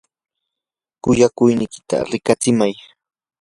kuyakuynikita riqitsimay.